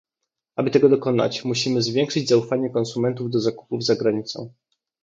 Aby tego dokonać, musimy zwiększyć zaufanie konsumentów do zakupów zagranicą